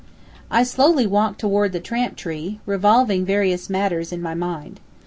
I slowly walked toward the tramp tree, revolving various matters in my mind.